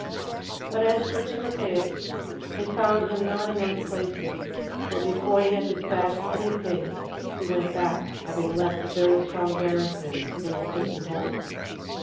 12:18. But as for Timotheus, they found him not in those places, for before he had dispatched any thing he went back, having left a very strong garrison in a certain hold: 12:19.